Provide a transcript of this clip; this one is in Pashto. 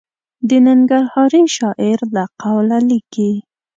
د ننګرهاري شاعر له قوله لیکي.